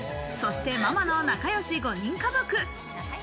そして、ママの仲よし５人家族。